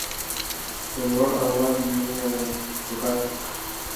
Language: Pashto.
په لوړ اواز مې وويل ځغله.